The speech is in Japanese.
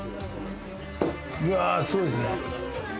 うわぁすごいですね。